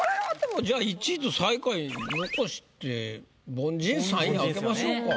じゃあ１位と最下位残して凡人３位開けましょうか。